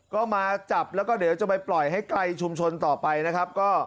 ก็มาจับแล้วก็เดี๋ยวจะไปปล่อยให้ไกลชุมชนต่อไปนะครับ